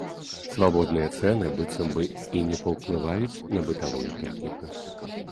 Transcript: Свабодныя цэны быццам бы і не паўплываюць на бытавую тэхніку.